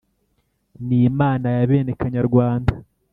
n’imana yabene kanyarwanda